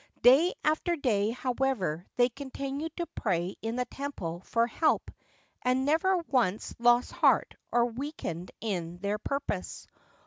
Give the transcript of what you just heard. Day after day, however, they continued to pray in the temple for help, and never once lost heart or weakened in their purpose.